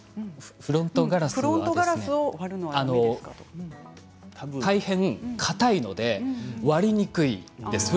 フロントガラスは大変かたいので割れにくいんです。